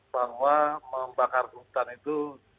bahwa membakar hutan itu